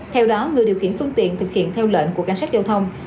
theo đó người điều khiển phương tiện thực hiện theo lệnh của cảnh sát giao thông